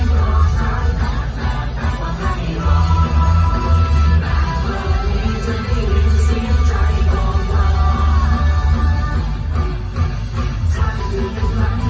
คุณกันแล้วว่าวันหักชำนาดหัวใจของเธอ